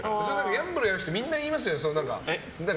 ギャンブルやる人みんな言いますよね。